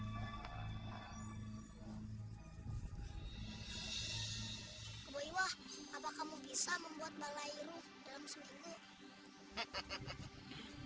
keboiwa apa kamu bisa membuat balairu dalam seminggu